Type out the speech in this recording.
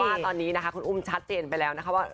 ว่าตอนนี้นะคะคุณอุ้มชัดเจนไปแล้วนะคะว่า